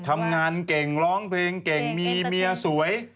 ทำงานเก่งร้องเพลงเก่งมีเมียสวย